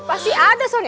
pasti ada soalnya